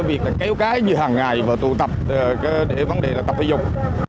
việc là kéo cái như hàng ngày và tụ tập để vấn đề là tập thể dục